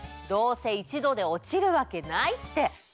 どうせ一度で落ちるわけないって！